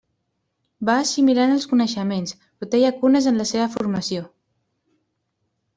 Va assimilant els coneixements però té llacunes en la seva formació.